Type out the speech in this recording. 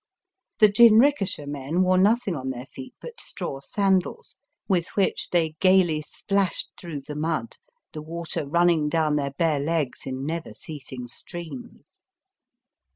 The jinrikisha men wore nothing on their feet but straw sandals, with which they gaily splashed through the mud, the water running down their bare legs in never ceasing streams.